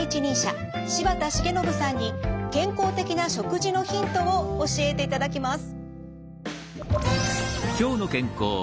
柴田重信さんに健康的な食事のヒントを教えていただきます。